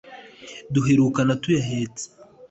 duherukana tuyahetse